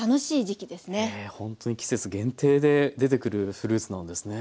へえほんとに季節限定で出てくるフルーツなんですね。